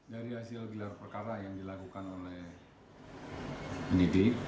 dari hasil gelar perkara yang dilakukan oleh penyidik